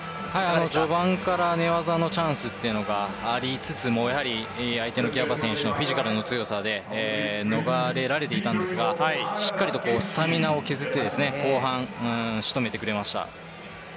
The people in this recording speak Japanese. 序盤から寝技のチャンスというのがありつつも相手のギャバ選手のフィジカルの強さで逃れられていましたがしっかりとスタミナを削って後半仕留めてくれました。